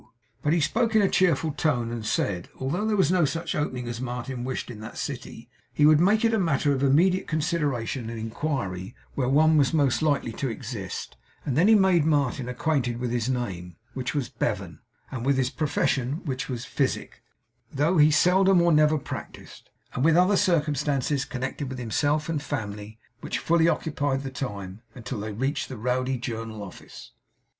But he spoke in a cheerful tone, and said, that although there was no such opening as Martin wished, in that city, he would make it matter of immediate consideration and inquiry where one was most likely to exist; and then he made Martin acquainted with his name, which was Bevan; and with his profession, which was physic, though he seldom or never practiced; and with other circumstances connected with himself and family, which fully occupied the time, until they reached the Rowdy Journal Office.